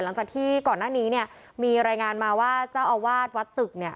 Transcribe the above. หลังจากที่ก่อนหน้านี้เนี่ยมีรายงานมาว่าเจ้าอาวาสวัดตึกเนี่ย